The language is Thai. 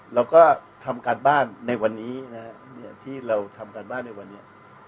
เราก็ทำการบ้านในวันนี้นะฮะที่เราทำการบ้านในวันนี้